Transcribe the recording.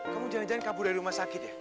kamu jangan jangan kabur dari rumah sakit ya